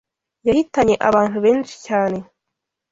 yahitanye abantu benshi cyane